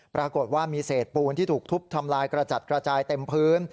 ปรากฏว่ามีเศษปูนที่ถูกทุบทำลายกระจัดกระจายเต็มพื้น